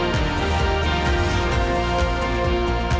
terima kasih banyak